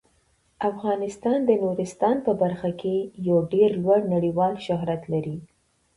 افغانستان د نورستان په برخه کې یو ډیر لوړ نړیوال شهرت لري.